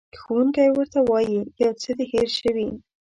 ښوونکی ورته وایي، یو څه دې هېر شوي.